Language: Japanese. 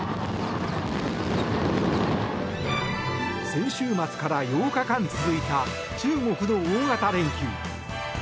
先週末から８日間続いた中国の大型連休。